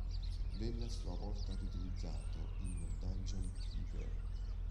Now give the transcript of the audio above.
Venne a sua volta riutilizzato in "Dungeon Keeper".